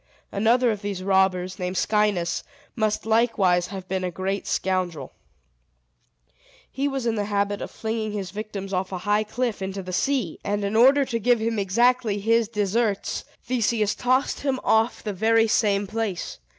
Another of these robbers, named Scinis, must likewise have been a very great scoundrel. He was in the habit of flinging his victims off a high cliff into the sea; and, in order to give him exactly his deserts, Theseus tossed him off the very same place.